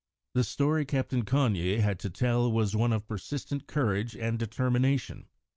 The story Captain Cagni had to tell was one of persistent courage and determination.